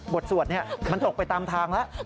สวดมันตกไปตามทางแล้ว